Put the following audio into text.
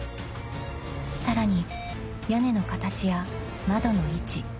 ［さらに屋根の形や窓の位置］